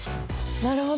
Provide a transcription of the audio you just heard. なるほど。